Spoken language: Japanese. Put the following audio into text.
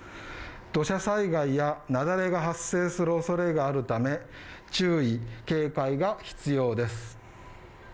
土砂災害やなだれが発生するおそれがあるため注意警戒が必要です。